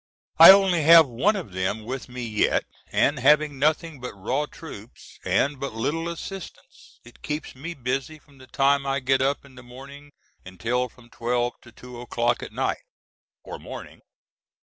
I only have one of them with me yet, and having nothing but raw troops, and but little assistance, it keeps me busy from the time I get up in the morning until from 12 to 2 o'clock at night, or morning.